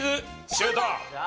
シュート！